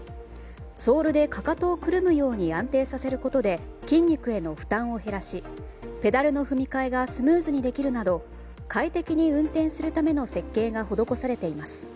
ソールで、かかとをくるむように安定させることで筋肉への負担を減らしペダルの踏み替えがスムーズにできるなど快適に運転するための設計が施されています。